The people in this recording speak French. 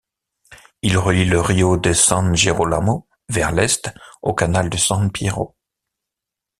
Il relie le rio de San Gerolamo vers l'est au canal de San Piero.